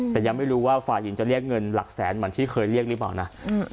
แต่ยังไม่รู้ว่าฝ่ายหญิงจะเรียกเงินหลักแสนเหมือนที่เคยเรียกหรือเปล่านะ